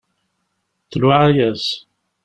Tluɛa-yas.